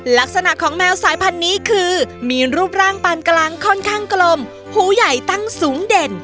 ลักษณะของแมวสายพันธุ์นี้คือมีรูปร่างปานกลางค่อนข้างกลมหูใหญ่ตั้งสูงเด่น